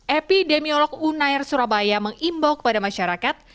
epidemiolog unair surabaya mengimbau kepada masyarakat